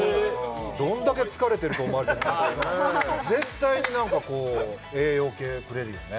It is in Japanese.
どんだけ疲れてると思われてるのか絶対に何かこう栄養系くれるよね